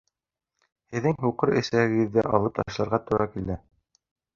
Һеҙҙең һуҡыр эсәгегеҙҙе алып ташларға тура килә